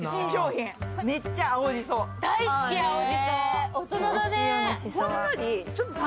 大好き青じそ！